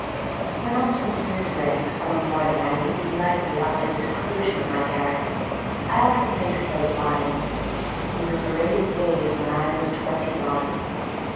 When on some scintillating summer morning I leap lightly up to the seclusion of my garret, I often think of those lines: "In the brave days when I was twenty one."